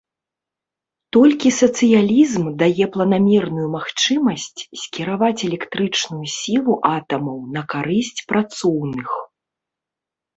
Толькі сацыялізм дае планамерную магчымасць скіраваць электрычную сілу атамаў на карысць працоўных.